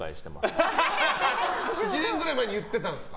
１年ぐらい前に言ってたんですか。